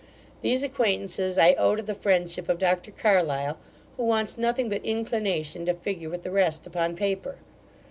These acquaintances I owe to the friendship of Dr Carlyle, who wants nothing but inclination to figure with the rest upon paper.